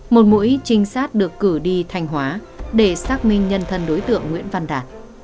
một mũi trinh sát được cử đi thanh hóa để xác minh nhân thân đối tượng nguyễn văn đạt